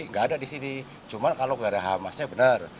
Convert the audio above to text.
nggak ada di sini cuma kalau gara hamasnya benar